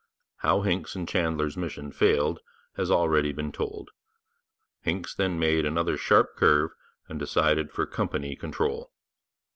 How Hincks and Chandler's mission failed has already been told. Hincks then made another sharp curve and decided for company control.